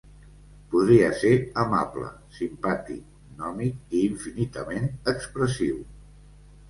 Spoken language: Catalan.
Podria ser amable, simpàtic, gnòmic i infinitament expressiu.